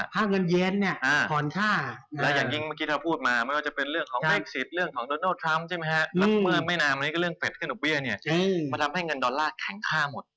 เพิ่มก็เรียกว่ามันนี้เรื่องเฟสขึ้นอุปเวียนมันทำให้เงินดอลลาร์แข็งค่าหมด